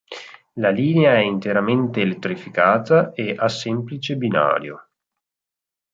La linea è interamente elettrificata e a semplice binario.